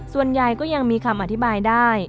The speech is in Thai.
ส่วนใหญ่ก็ยังมีคำอธิบายได้